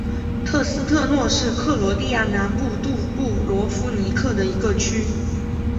特斯特诺是克罗地亚南部杜布罗夫尼克的一个区。